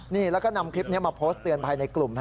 นี่แล้วก็นำคลิปนี้มาโพสต์เตือนภัยในกลุ่ม